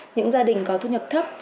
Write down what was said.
những gia đình có thu nhập thấp